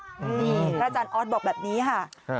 นี่พระอาจารย์ออสบอกแบบนี้ค่ะ